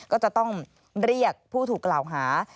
ก็จะต้องเรียกผู้ถูกกล่าวหา